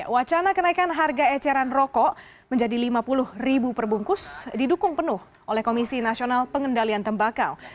wacana kenaikan harga eceran rokok menjadi lima puluh ribu perbungkus didukung penuh oleh komisi nasional pengendalian tembakau